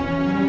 aku mau pulang